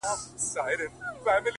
• هغه خو دا گراني كيسې نه كوي،